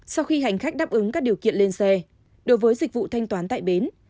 sau khi hành khách đáp ứng các điều kiện lên xe đối với dịch vụ thanh toán tại bến